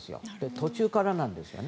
途中からなんですよね。